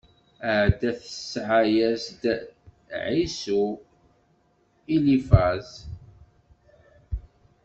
Ɛada tesɛa-yas-d i Ɛisu: Ilifaz.